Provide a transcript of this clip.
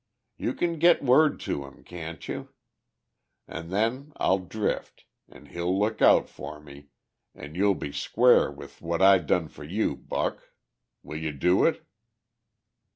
You can git word to him, can't you? An' then I'll drift, an' he'll look out for me, an' you'll be square with what I done for you, Buck. Will you do it?"